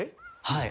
はい。